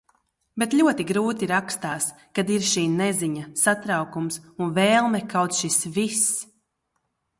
Bet ļoti grūti rakstās, kad ir šī neziņa, satraukums un vēlme kaut šis viss...